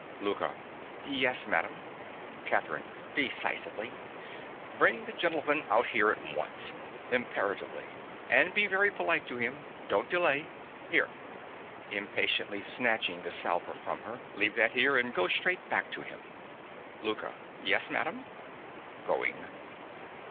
LOUKA. Yes, madam. CATHERINE. (decisively). Bring the gentleman out here at once. (Imperatively.) And be very polite to him. Don't delay. Here (impatiently snatching the salver from her): leave that here; and go straight back to him. LOUKA. Yes, madam. (_Going.